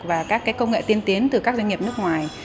và các công nghệ tiên tiến từ các doanh nghiệp nước ngoài